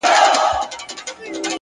د تجربې رڼا لاره اسانه کوي،